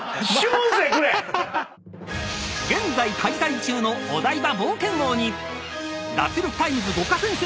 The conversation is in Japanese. ［現在開催中のお台場冒険王に『脱力タイムズ』五箇先生